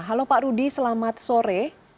halo pak rudi selamat sore